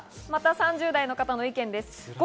３０代の方の意見です。